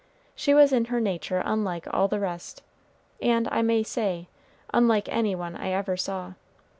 She was in her nature unlike all the rest, and, I may say, unlike any one I ever saw.